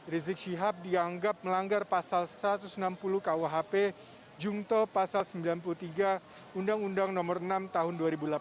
rizik syihab dianggap melanggar pasal satu ratus enam puluh kuhp jungto pasal sembilan puluh tiga undang undang nomor enam tahun dua ribu delapan belas